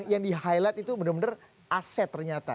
yang di highlight itu benar benar aset ternyata